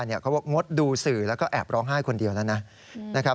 เขาบอกงดดูสื่อแล้วก็แอบร้องไห้คนเดียวแล้วนะ